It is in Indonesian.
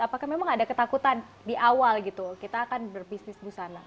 apakah memang ada ketakutan di awal gitu kita akan berbisnis busana